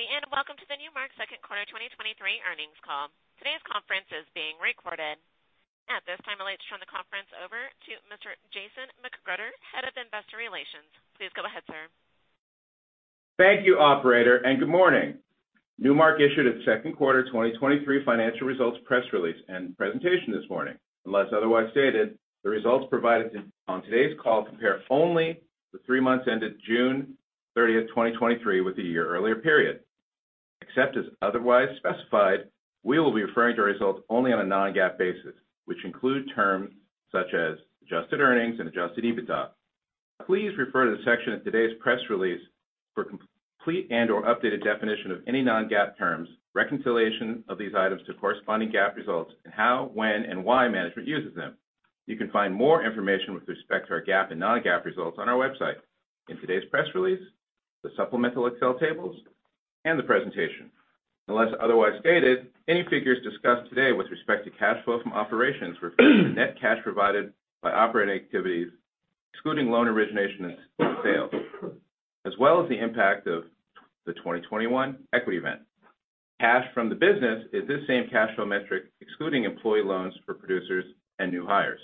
Good day, and welcome to the Newmark second quarter 2023 earnings call. Today's conference is being recorded. At this time, I'd like to turn the conference over to Mr. Jason McGruder, Head of Investor Relations. Please go ahead, sir. Thank you, operator, and good morning. Newmark issued its second quarter 2023 financial results press release and presentation this morning. Unless otherwise stated, the results provided in on today's call compare only the three months ended June 30, 2023, with the year earlier period. Except as otherwise specified, we will be referring to results only on a non-GAAP basis, which include terms such as Adjusted Earnings and Adjusted EBITDA. Please refer to the section of today's press release for complete and/or updated definition of any non-GAAP terms, reconciliation of these items to corresponding GAAP results, and how, when, and why management uses them. You can find more information with respect to our GAAP and non-GAAP results on our website. In today's press release, the supplemental Excel tables and the presentation. Unless otherwise stated, any figures discussed today with respect to cash flow from operations refer to net cash provided by operating activities, excluding loan originations and sales, as well as the impact of the 2021 Equity Event. Cash from the business is this same cash flow metric, excluding employee loans for producers and new hires.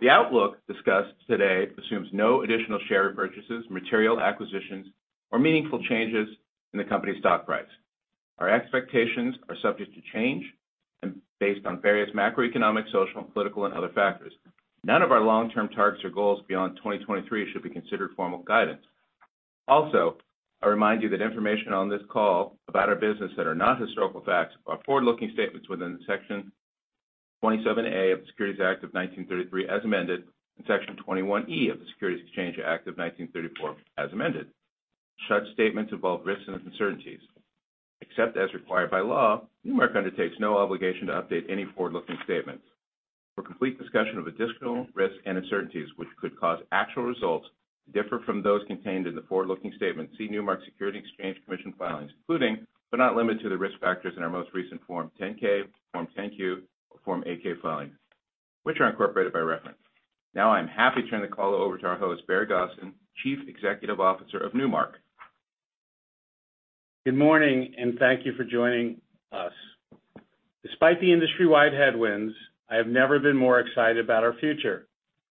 The outlook discussed today assumes no additional share repurchases, material acquisitions, or meaningful changes in the company's stock price. Our expectations are subject to change and based on various macroeconomic, social, political, and other factors. None of our long-term targets or goals beyond 2023 should be considered formal guidance. I remind you that information on this call about our business that are not historical facts are forward-looking statements within Section 27A of the Securities Act of 1933, as amended, and Section 21E of the Securities Exchange Act of 1934, as amended. Such statements involve risks and uncertainties. Except as required by law, Newmark undertakes no obligation to update any forward-looking statements. For complete discussion of additional risks and uncertainties which could cause actual results to differ from those contained in the forward-looking statement, see Newmark Securities Exchange Commission filings, including, but not limited to, the risk factors in our most recent Form 10-K, Form 10-Q, or Form 8-K filings, which are incorporated by reference. Now, I'm happy to turn the call over to our host, Barry Gosin, Chief Executive Officer of Newmark. Good morning, thank you for joining us. Despite the industry-wide headwinds, I have never been more excited about our future.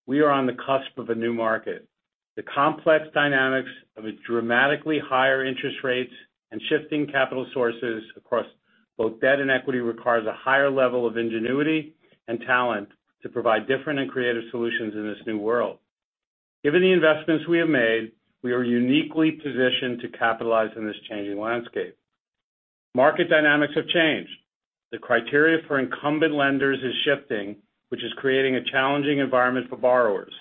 We are on the cusp of a new market. The complex dynamics of a dramatically higher interest rates and shifting capital sources across both debt and equity requires a higher level of ingenuity and talent to provide different and creative solutions in this new world. Given the investments we have made, we are uniquely positioned to capitalize in this changing landscape. Market dynamics have changed. The criteria for incumbent lenders is shifting, which is creating a challenging environment for borrowers.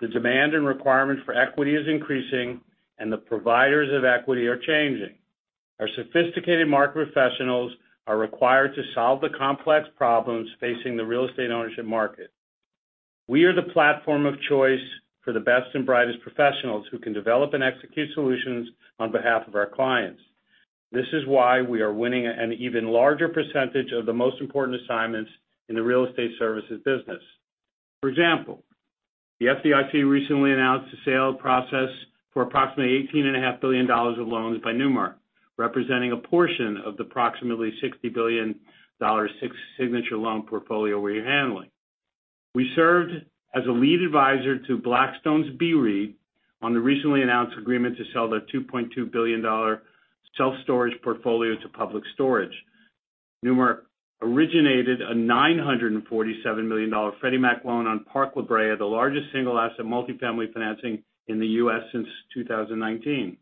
The demand and requirement for equity is increasing, and the providers of equity are changing. Our sophisticated market professionals are required to solve the complex problems facing the real estate ownership market. We are the platform of choice for the best and brightest professionals who can develop and execute solutions on behalf of our clients. This is why we are winning an even larger % of the most important assignments in the real estate services business. For example, the FDIC recently announced a sale process for approximately $18.5 billion of loans by Newmark, representing a portion of the approximately $60 billion six Signature loan portfolio we're handling. We served as a lead advisor to Blackstone's BREIT on the recently announced agreement to sell their $2.2 billion self-storage portfolio to Public Storage. Newmark originated a $947 million Freddie Mac loan on Park La Brea, the largest single asset multifamily financing in the U.S. since 2019.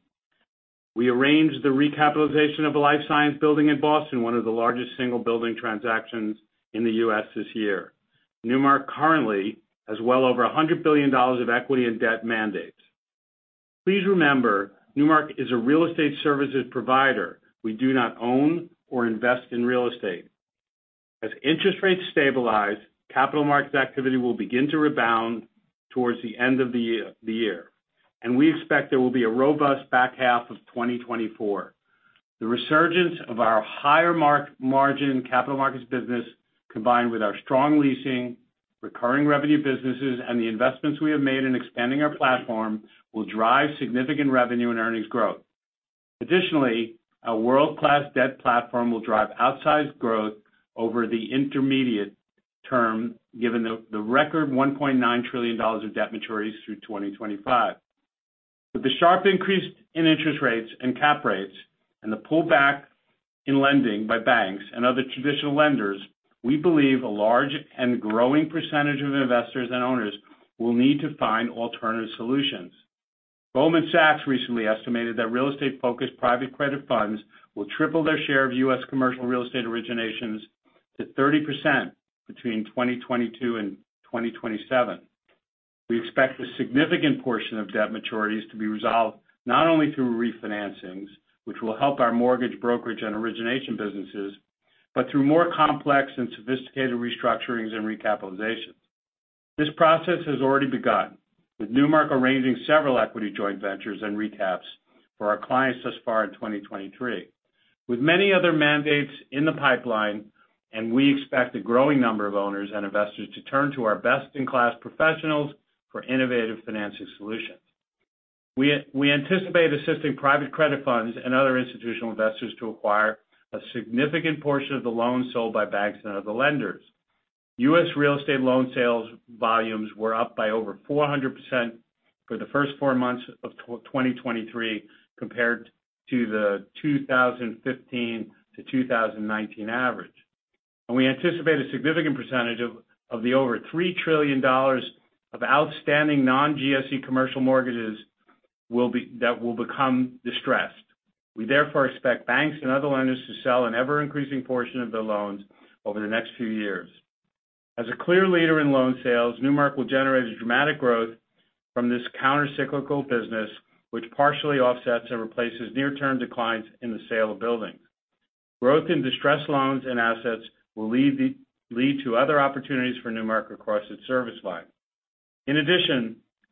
We arranged the recapitalization of a life science building in Boston, one of the largest single-building transactions in the U.S. this year. Newmark currently has well over $100 billion of equity and debt mandates. Please remember, Newmark is a real estate services provider. We do not own or invest in real estate. As interest rates stabilize, capital markets activity will begin to rebound towards the end of the year, and we expect there will be a robust back half of 2024. The resurgence of our higher margin capital markets business, combined with our strong leasing, recurring revenue businesses, and the investments we have made in expanding our platform, will drive significant revenue and earnings growth. Additionally, our world-class debt platform will drive outsized growth over the intermediate term, given the record $1.9 trillion of debt maturities through 2025. With the sharp increase in interest rates and cap rates and the pullback in lending by banks and other traditional lenders, we believe a large and growing percentage of investors and owners will need to find alternative solutions. Goldman Sachs recently estimated that real estate-focused private credit funds will triple their share of U.S. commercial real estate originations to 30% between 2022 and 2027. We expect a significant portion of debt maturities to be resolved not only through refinancings, which will help our mortgage brokerage and origination businesses, but through more complex and sophisticated restructurings and recapitalizations. This process has already begun, with Newmark arranging several equity joint ventures and recaps for our clients thus far in 2023. With many other mandates in the pipeline, and we expect a growing number of owners and investors to turn to our best-in-class professionals for innovative financing solutions. We, we anticipate assisting private credit funds and other institutional investors to acquire a significant portion of the loans sold by banks and other lenders. U.S. real estate loan sales volumes were up by over 400% for the first four months of 2023 compared to the 2015-2019 average. We anticipate a significant percentage of, of the over $3 trillion of outstanding non-GSE commercial mortgages that will become distressed. We therefore expect banks and other lenders to sell an ever-increasing portion of their loans over the next few years. As a clear leader in loan sales, Newmark will generate a dramatic growth from this countercyclical business, which partially offsets and replaces near-term declines in the sale of buildings. Growth in distressed loans and assets will lead to other opportunities for Newmark across its service line.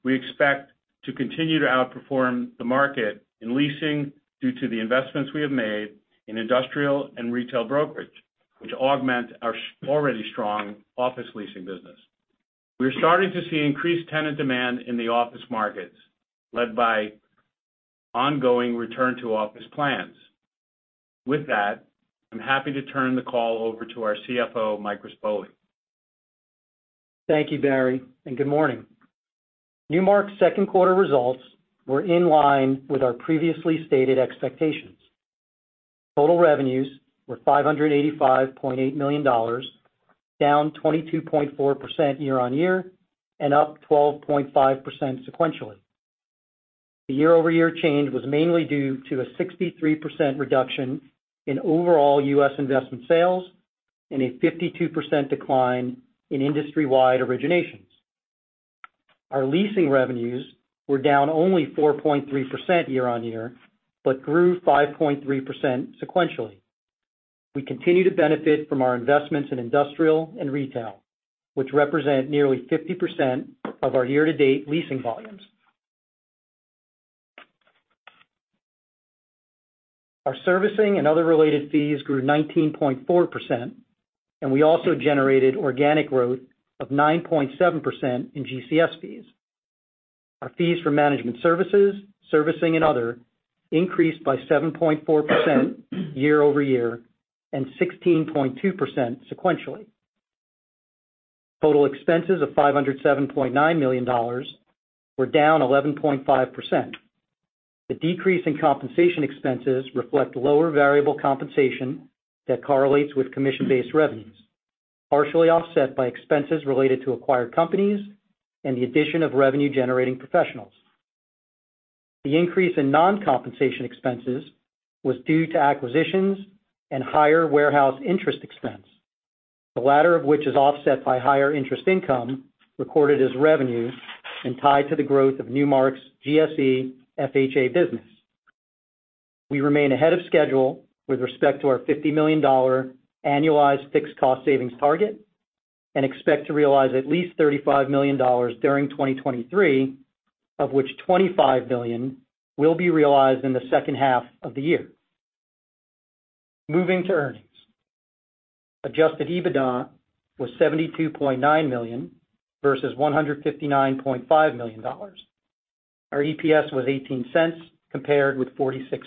We expect to continue to outperform the market in leasing due to the investments we have made in industrial and retail brokerage, which augment our already strong office leasing business. We're starting to see increased tenant demand in the office markets, led by ongoing return to office plans. I'm happy to turn the call over to our CFO, Mike Rispoli. Thank you, Barry. Good morning. Newmark's second quarter results were in line with our previously stated expectations. Total revenues were $585.8 million, down 22.4% year-over-year and up 12.5% sequentially. The year-over-year change was mainly due to a 63% reduction in overall U.S. investment sales and a 52% decline in industry-wide originations. Our leasing revenues were down only 4.3% year-over-year, but grew 5.3% sequentially. We continue to benefit from our investments in industrial and retail, which represent nearly 50% of our year-to-date leasing volumes. Our servicing and other related fees grew 19.4%, and we also generated organic growth of 9.7% in GCS fees. Our fees for management services, servicing, and other increased by 7.4% year-over-year and 16.2% sequentially. Total expenses of $507.9 million were down 11.5%. The decrease in compensation expenses reflect lower variable compensation that correlates with commission-based revenues, partially offset by expenses related to acquired companies and the addition of revenue-generating professionals. The increase in non-compensation expenses was due to acquisitions and higher warehouse interest expense, the latter of which is offset by higher interest income recorded as revenues and tied to the growth of Newmark's GSE FHA business. We remain ahead of schedule with respect to our $50 million annualized fixed cost savings target and expect to realize at least $35 million during 2023, of which $25 million will be realized in the second half of the year. Moving to earnings. Adjusted EBITDA was $72.9 million versus $159.5 million. Our EPS was $0.18 compared with $0.46.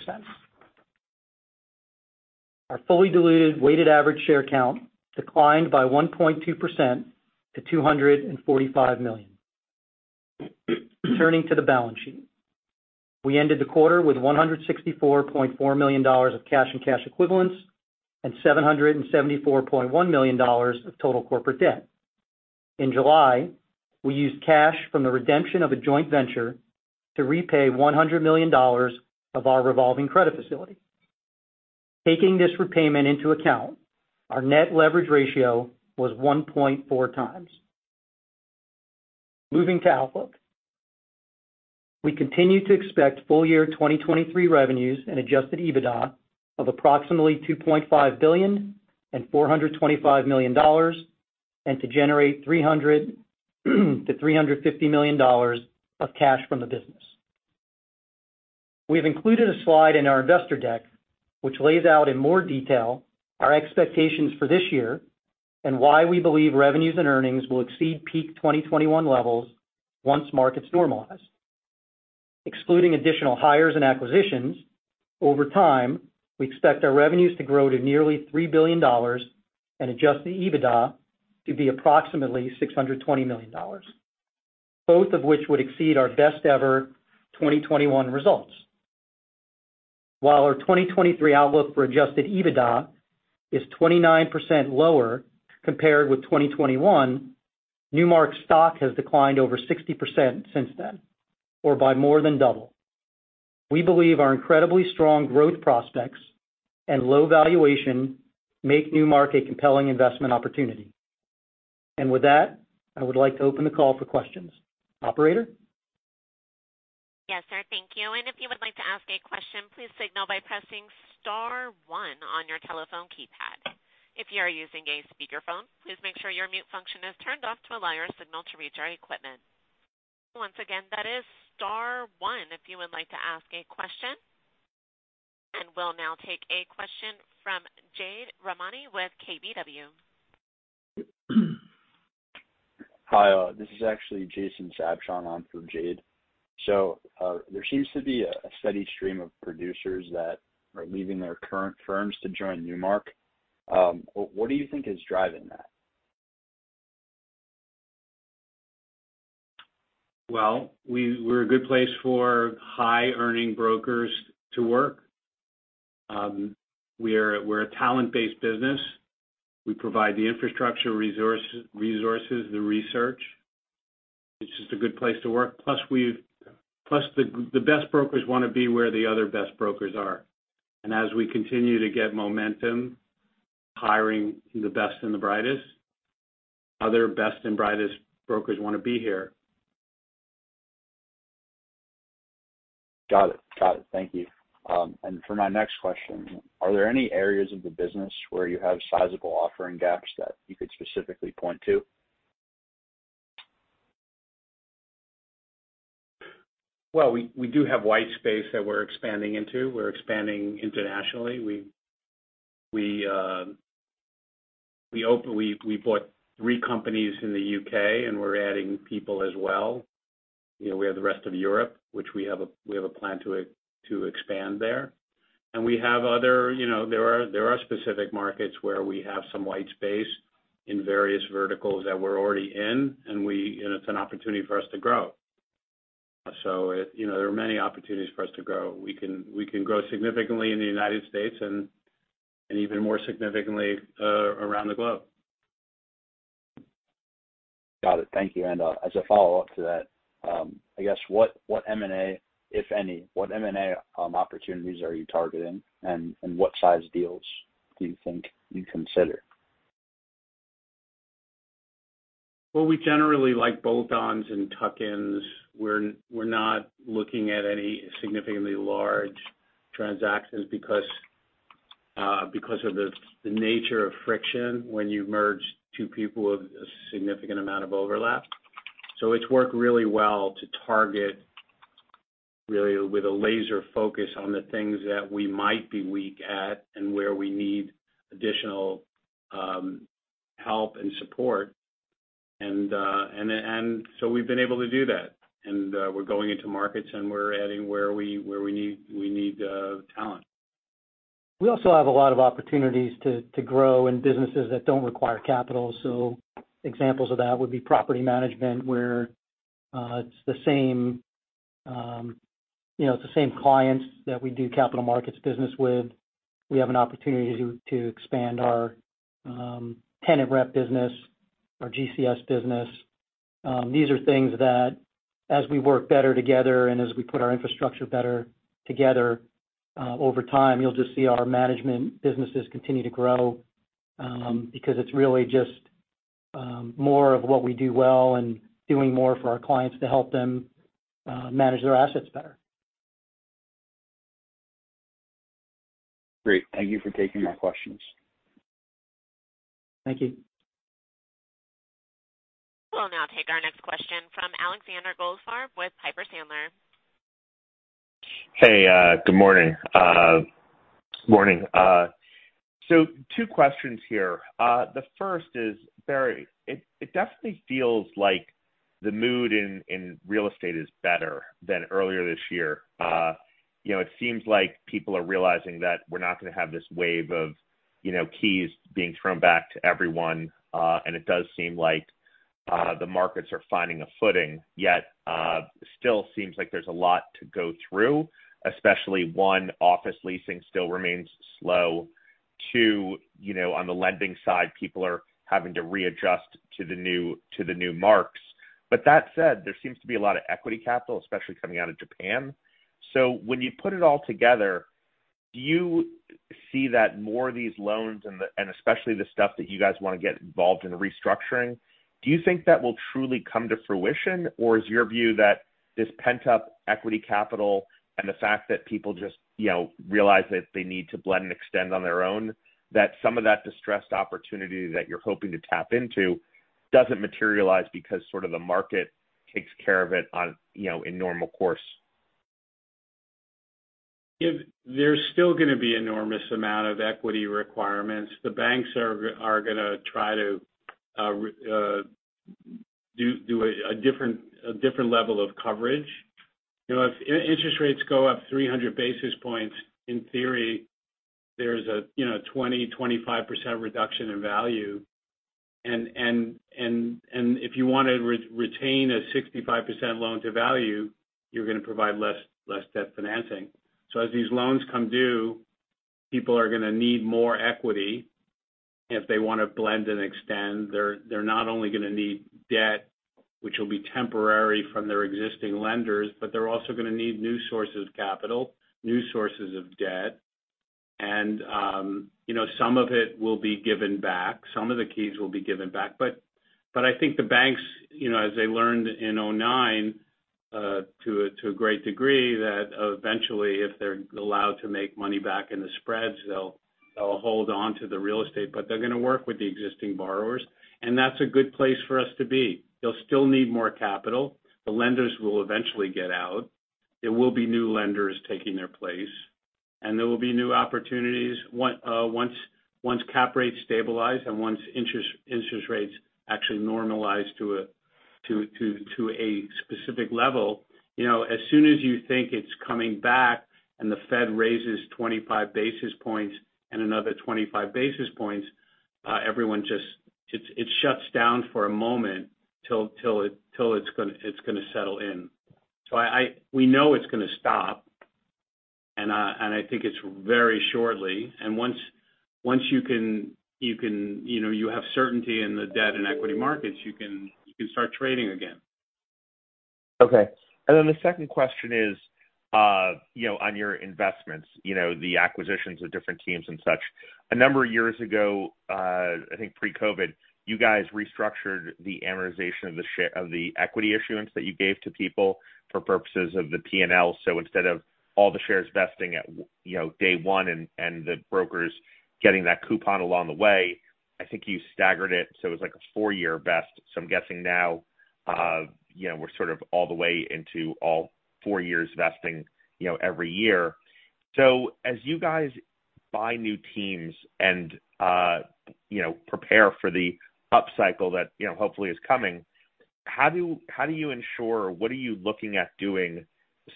Our fully diluted weighted average share count declined by 1.2% to 245 million. Turning to the balance sheet. We ended the quarter with $164.4 million of cash and cash equivalents, and $774.1 million of total corporate debt. In July, we used cash from the redemption of a joint venture to repay $100 million of our revolving credit facility. Taking this repayment into account, our net leverage ratio was 1.4x. Moving to outlook. We continue to expect full year 2023 revenues and Adjusted EBITDA of approximately $2.5 billion and $425 million, to generate $300 million-$350 million of cash from the business. We've included a slide in our investor deck, which lays out in more detail our expectations for this year and why we believe revenues and earnings will exceed peak 2021 levels once markets normalize. Excluding additional hires and acquisitions, over time, we expect our revenues to grow to nearly $3 billion and adjust the EBITDA to be approximately $620 million, both of which would exceed our best ever 2021 results. While our 2023 outlook for Adjusted EBITDA is 29% lower compared with 2021, Newmark's stock has declined over 60% since then, or by more than double. We believe our incredibly strong growth prospects and low valuation make Newmark a compelling investment opportunity. With that, I would like to open the call for questions. Operator? Yes, sir. Thank you. If you would like to ask a question, please signal by pressing star one on your telephone keypad. If you are using a speakerphone, please make sure your mute function is turned off to allow your signal to reach our equipment. Once again, that is star one, if you would like to ask a question. We'll now take a question from Jade Rahmani with KBW. Hi, this is actually Jason Sabshon. I'm from Jade. There seems to be a steady stream of producers that are leaving their current firms to join Newmark. What, what do you think is driving that? Well, we're a good place for high-earning brokers to work. We're a talent-based business. We provide the infrastructure, resources, the research. It's just a good place to work. Plus, the best brokers wanna be where the other best brokers are. As we continue to get momentum, hiring the best and the brightest, other best and brightest brokers wanna be here. Got it. Got it. Thank you. For my next question, are there any areas of the business where you have sizable offering gaps that you could specifically point to? Well, we, we do have white space that we're expanding into. We're expanding internationally. We, we, we bought three companies in the UK, and we're adding people as well. You know, we have the rest of Europe, which we have a, we have a plan to expand there. We have other, you know, there are, there are specific markets where we have some white space in various verticals that we're already in, and it's an opportunity for us to grow. You know, there are many opportunities for us to grow. We can, we can grow significantly in the United States and, and even more significantly around the globe. Got it. Thank you. As a follow-up to that, I guess, what, what M&A, if any, what M&A opportunities are you targeting, and, and what size deals do you think you'd consider? Well, we generally like bolt-ons and tuck-ins. We're, we're not looking at any significantly large transactions because, because of the, the nature of friction when you merge two people with a significant amount of overlap. It's worked really well to target, really, with a laser focus on the things that we might be weak at and where we need additional help and support. And then, and so we've been able to do that, and, we're going into markets, and we're adding where we, where we need, we need talent. We also have a lot of opportunities to, to grow in businesses that don't require capital. Examples of that would be property management, where, you know, it's the same clients that we do capital markets business with. We have an opportunity to, to expand our tenant rep business, our GCS business. These are things that, as we work better together and as we put our infrastructure better together, over time, you'll just see our management businesses continue to grow, because it's really just more of what we do well and doing more for our clients to help them manage their assets better. Great. Thank you for taking my questions. Thank you. We'll now take our next question from Alexander Goldfarb with Piper Sandler. Hey, good morning. Morning. two questions here. The first is, Barry, it definitely feels like the mood in real estate is better than earlier this year. You know, it seems like people are realizing that we're not gonna have this wave of, you know, keys being thrown back to everyone, and it does seem like the markets are finding a footing. Still seems like there's a lot to go through, especially, 1, office leasing still remains slow. 2, you know, on the lending side, people are having to readjust to the new, to the new marks. That said, there seems to be a lot of equity capital, especially coming out of Japan. When you put it all together, do you see that more of these loans and especially the stuff that you guys wanna get involved in restructuring, do you think that will truly come to fruition? Or is your view that this pent-up equity capital and the fact that people just, you know, realize that they need to blend and extend on their own, that some of that distressed opportunity that you're hoping to tap into doesn't materialize because sort of the market takes care of it on, you know, in normal course? If there's still gonna be enormous amount of equity requirements, the banks are gonna try to re-do a different level of coverage. You know, if interest rates go up 300 basis points, in theory, there's a, you know, 20%-25% reduction in value. If you want to retain a 65% loan-to-value, you're gonna provide less debt financing. As these loans come due, people are gonna need more equity if they want to blend and extend. They're not only gonna need debt, which will be temporary from their existing lenders, but they're also gonna need new sources of capital, new sources of debt. You know, some of it will be given back, some of the keys will be given back. I think the banks, you know, as they learned in 2009, to a great degree, that eventually, if they're allowed to make money back in the spreads, they'll hold on to the real estate, but they're gonna work with the existing borrowers, and that's a good place for us to be. They'll still need more capital. The lenders will eventually get out. There will be new lenders taking their place, and there will be new opportunities on once, once cap rates stabilize and once interest, interest rates actually normalize to a specific level. You know, as soon as you think it's coming back and the Fed raises 25 basis points and another 25 basis points, everyone it, it shuts down for a moment till it's gonna settle in. We know it's gonna stop. I think it's very shortly. Once, once you can, you can, you know, you have certainty in the debt and equity markets, you can, you can start trading again. Okay. The second question is, you know, on your investments, you know, the acquisitions of different teams and such. A number of years ago, I think pre-COVID, you guys restructured the amortization of the share-- of the equity issuance that you gave to people for purposes of the P&L. Instead of all the shares vesting at, you know, day one, and the brokers getting that coupon along the way, I think you staggered it, so it was like a four-year vest. I'm guessing now, you know, we're sort of all the way into all four years vesting, you know, every year. As you guys buy new teams and, you know, prepare for the upcycle that, you know, hopefully is coming, how do, how do you ensure or what are you looking at doing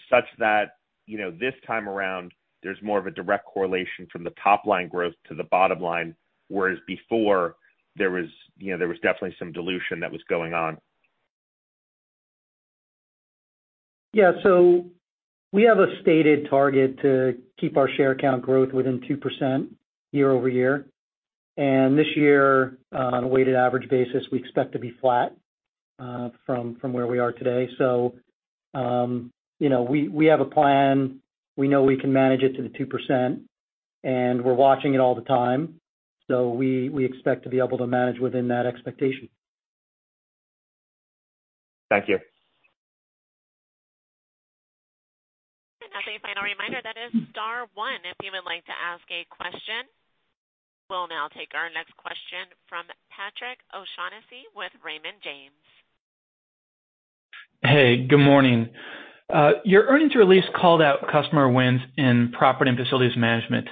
such that, you know, this time around, there's more of a direct correlation from the top line growth to the bottom line, whereas before there was, you know, there was definitely some dilution that was going on? Yeah. We have a stated target to keep our share count growth within 2% year-over-year. This year, on a weighted average basis, we expect to be flat, from, from where we are today. You know, we, we have a plan. We know we can manage it to the 2%, and we're watching it all the time, so we, we expect to be able to manage within that expectation. Thank you. As a final reminder, that is star one if you would like to ask a question. We'll now take our next question from Patrick O'Shaughnessy with Raymond James. Hey, good morning. Your earnings release called out customer wins in property and facilities management.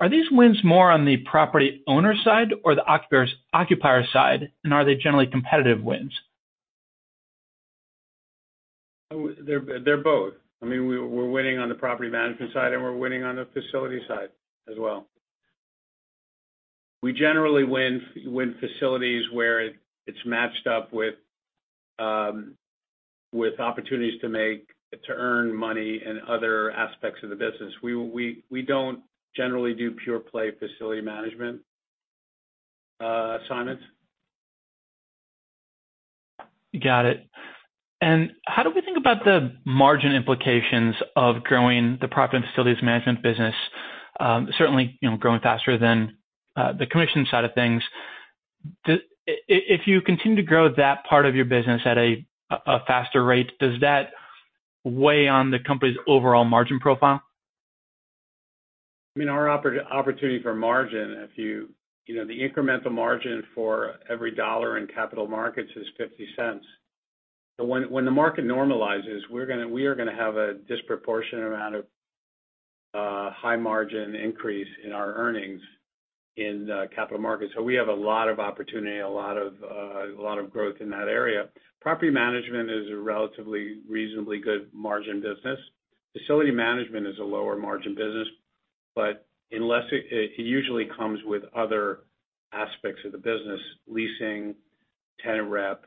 Are these wins more on the property owner side or the occupier's, occupier side, and are they generally competitive wins? Oh, they're, they're both. I mean, we're winning on the property management side, and we're winning on the facility side as well. We generally win, win facilities where it, it's matched up with opportunities to make, to earn money in other aspects of the business. We, we, we don't generally do pure play facility management assignments. Got it. How do we think about the margin implications of growing the property and facilities management business? Certainly, you know, growing faster than, the commission side of things. If you continue to grow that part of your business at a, a faster rate, does that weigh on the company's overall margin profile? I mean, our opportunity for margin, if you, you know, the incremental margin for every dollar in capital markets is $0.50. When, when the market normalizes, we're gonna, we are gonna have a disproportionate amount of high margin increase in our earnings in capital markets. We have a lot of opportunity, a lot of growth in that area. Property management is a relatively reasonably good margin business. Facility management is a lower margin business, unless it, it usually comes with other aspects of the business, leasing, tenant rep,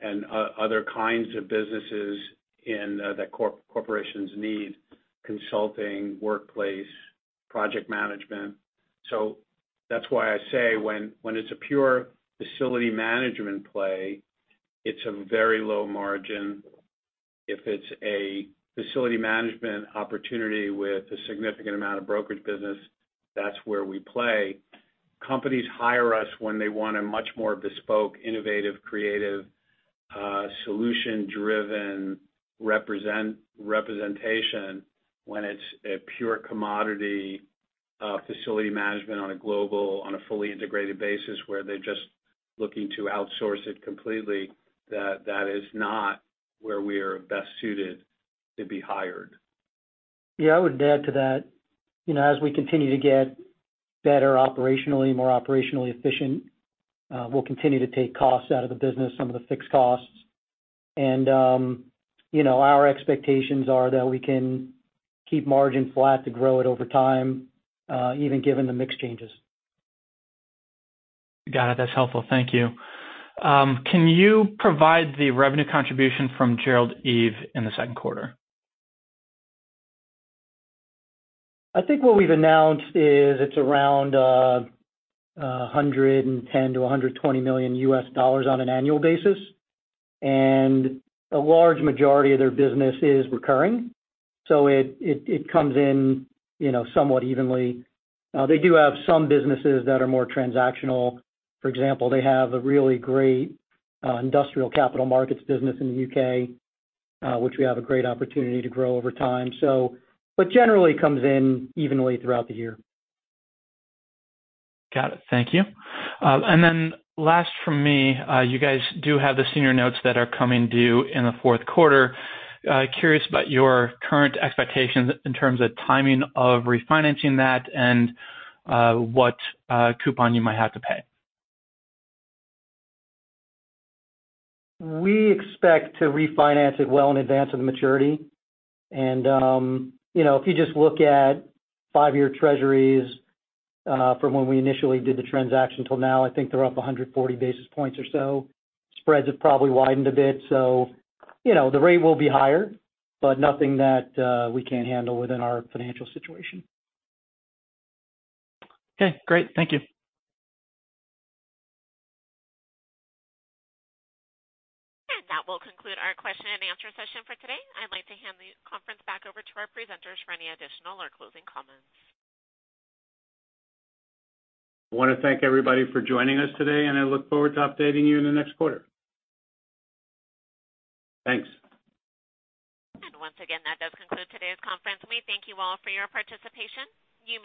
and other kinds of businesses in that corporations need, consulting, workplace, project management. That's why I say when, when it's a pure facility management play, it's a very low margin. If it's a facility management opportunity with a significant amount of brokerage business, that's where we play. Companies hire us when they want a much more bespoke, innovative, creative, solution-driven representation. When it's a pure commodity, facility management on a global, on a fully integrated basis, where they're just looking to outsource it completely, that is not where we are best suited to be hired. Yeah, I would add to that. You know, as we continue to get better operationally, more operationally efficient, we'll continue to take costs out of the business, some of the fixed costs. You know, our expectations are that we can keep margin flat to grow it over time, even given the mix changes. Got it. That's helpful. Thank you. Can you provide the revenue contribution from Gerald Eve in the second quarter? I think what we've announced is it's around $110 million-$120 million on an annual basis. A large majority of their business is recurring, it, it, it comes in, you know, somewhat evenly. They do have some businesses that are more transactional. For example, they have a really great industrial capital markets business in the UK, which we have a great opportunity to grow over time. Generally comes in evenly throughout the year. Got it. Thank you. Then last from me, you guys do have the senior notes that are coming due in the fourth quarter. Curious about your current expectations in terms of timing of refinancing that and what coupon you might have to pay. We expect to refinance it well in advance of the maturity. You know, if you just look at five-year Treasuries, from when we initially did the transaction till now, I think they're up 140 basis points or so. Spreads have probably widened a bit, so, you know, the rate will be higher, but nothing that we can't handle within our financial situation. Okay, great. Thank you. That will conclude our question and answer session for today. I'd like to hand the conference back over to our presenters for any additional or closing comments. I wanna thank everybody for joining us today, and I look forward to updating you in the next quarter. Thanks. Once again, that does conclude today's conference. We thank you all for your participation. You may disconnect.